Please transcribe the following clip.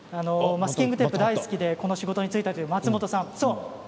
マスキングテープが大好きでこの仕事についたという松本さんです。